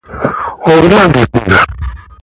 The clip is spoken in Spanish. Obra reunida.